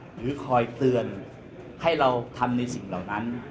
หรือคอยเตือนให้เราทำในสิ่งเหล่านั้น